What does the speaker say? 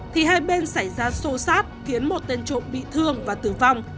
thì hai bên xảy ra sô sát khiến một tên trộm bị thương và tử vong